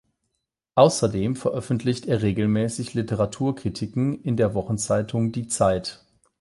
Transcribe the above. Außerdem veröffentlicht er regelmäßig Literaturkritiken in der Wochenzeitung "Die Zeit".